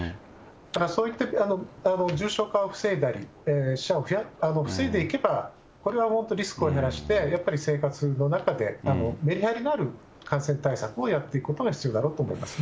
だからそういった、重症化を防いだり、死者を防いでいけば、それは本当にリスクを減らして、やっぱり生活の中で、メリハリのある感染対策をやっていくことが必要だろうと思います